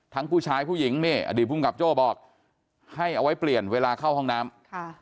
ผู้ชายผู้หญิงนี่อดีตภูมิกับโจ้บอกให้เอาไว้เปลี่ยนเวลาเข้าห้องน้ำ